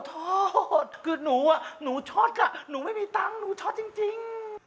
โทษคือหนูอ่ะหนูช็อตอ่ะหนูไม่มีตังค์หนูช็อตจริง